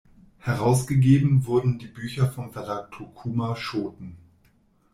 Herausgegeben wurden die Bücher vom Verlag Tokuma Shoten.